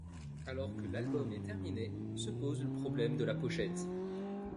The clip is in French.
Alors que l'album est terminé, se pose le problème de la pochette.